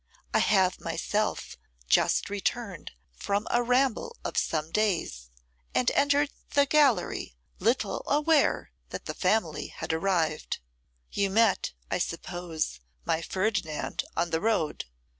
I have myself just returned from a ramble of some days, and entered the gallery little aware that the family had arrived. You met, I suppose, my Ferdinand on the road.